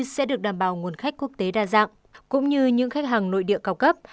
sẽ được đảm bảo nguồn khách quốc tế đa dạng cũng như những khách hàng nội địa cao cấp